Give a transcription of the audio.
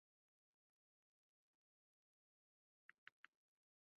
越南刺榄为山榄科刺榄属下的一个种。